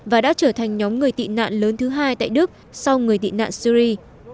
và đã trở thành nhóm người tị nạn lớn thứ hai tại đức sau người tị nạn syri